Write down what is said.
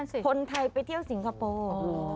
กินได้ดูคนไทยไปเที่ยวสิงคโปร์